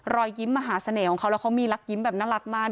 รอยยิ้มมหาเสน่ห์ของเขาแล้วเขามีรักยิ้มแบบน่ารักมาก